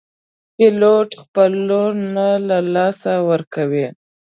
پیلوټ خپل لوری نه له لاسه ورکوي.